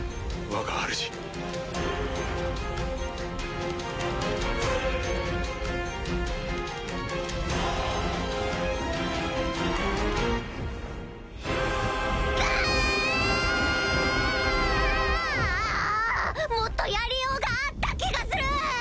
あもっとやりようがあった気がする！